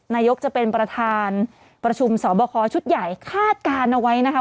นายกจะเป็นประธานประชุมสอบคอชุดใหญ่คาดการณ์เอาไว้นะคะ